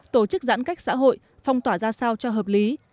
tổ chức giãn cách xã hội phong tỏa ra sao cho hợp lý